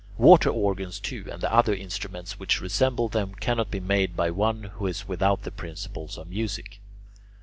Water organs, too, and the other instruments which resemble them cannot be made by one who is without the principles of music.